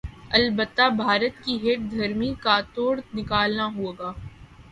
البتہ بھارت کی ہٹ دھرمی کاتوڑ نکالنا ہوگا